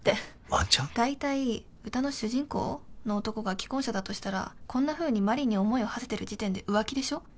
だいたい歌の主人公？の男が既婚者だとしたらこんなふうにマリーに思いをはせてる時点で浮気でしょ。